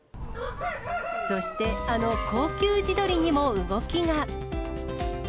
そして、あの高級地鶏にも動きが。